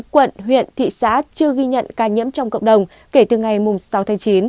một mươi chín quận huyện thị xã chưa ghi nhận ca nhiễm trong cộng đồng kể từ ngày sáu tháng chín